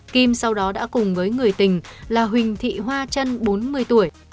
kim sau đó đã cùng với người tình là huỳnh thị hoa trân bốn mươi tuổi